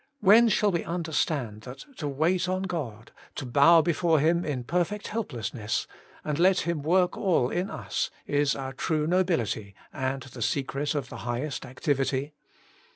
When shall we un derstand that to wait on God, to bow before Working for God 43 Him in perfect helplessness, and let Him work all in us, is our true nobility, and the secret of the highest activity?